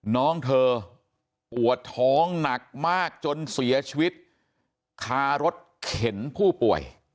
น้องเธอปวดท้องหนักมากจนเสียชีวิตคารถเข็นผู้ป่วย